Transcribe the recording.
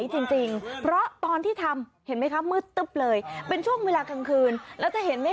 แต่ว่ามันก็ต้องรับฟังเหตุผลกับสิ่งที่มันเกิดอันนี้